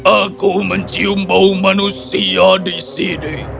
aku mencium bau manusia di sini